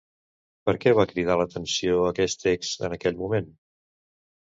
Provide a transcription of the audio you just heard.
Per què va cridar l'atenció aquest text, en aquell moment?